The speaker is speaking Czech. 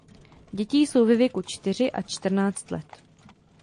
Děti jsou ve věku čtyři a čtrnáct let.